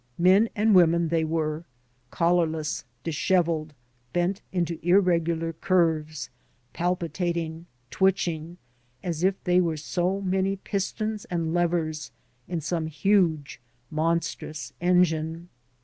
Men and women they were, collarless, disheveled, bent into irregular curves; palpitating, twitching, as if they were so many pistons and levers in some huge, monstrous engine.